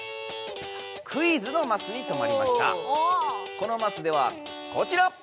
このマスではこちら！